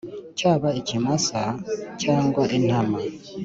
cyaba ikimasa cyangwa intama